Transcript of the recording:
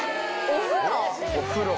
お風呂。